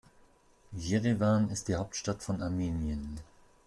Jerewan ist die Hauptstadt von Armenien.